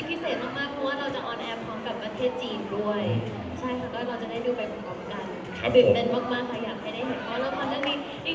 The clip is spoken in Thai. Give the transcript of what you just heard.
เสียงปลดมือจังกัน